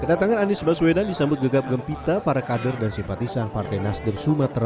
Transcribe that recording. kedatangan anies baswedan disambut gegap gempita para kader dan simpatisan partai nasdem sumatera